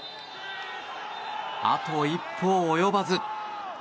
あと一歩及ばず。